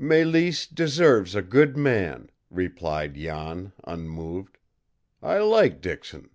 "Mélisse deserves a good man," replied Jan, unmoved. "I like Dixon."